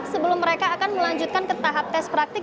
sebelum mereka akan melanjutkan ke tahap tes praktik